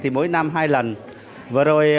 thì mỗi năm hai lần vừa rồi